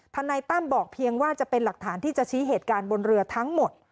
นายตั้มบอกเพียงว่าจะเป็นหลักฐานที่จะชี้เหตุการณ์บนเรือทั้งหมด